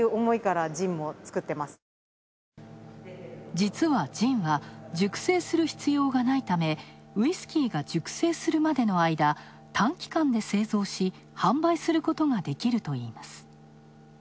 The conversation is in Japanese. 実はジンは、熟成する必要がないため、ウイスキーが熟成するまでの間短期間で製造し販売することができるといいます。